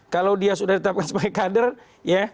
kalau dia sudah ditetapkan sebagai kader ya